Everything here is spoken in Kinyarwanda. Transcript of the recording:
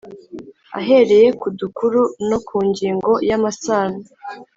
ahereye ku dukuru no ku ngingo y’amasano